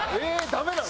ダメなん？